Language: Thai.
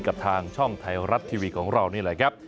กับทางช่องไทยรัฐทีวีของเรานี่แหละครับ